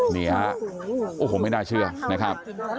นี่ฮะโอ้โหไม่น่าเชื่อนะครับ